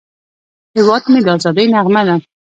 هیواد مې د ازادۍ نغمه ده